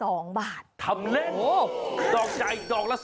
ดอกใหญ่ขายอยู่ที่ราคาดอกละ๒บาท